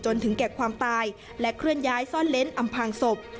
ถึงแก่ความตายและเคลื่อนย้ายซ่อนเล้นอำพางศพ